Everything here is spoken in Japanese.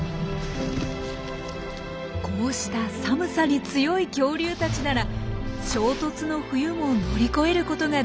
こうした寒さに強い恐竜たちなら「衝突の冬」も乗り越えることができたのではないかというんです。